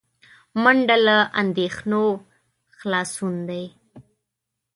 منډه له اندېښنو خلاصون دی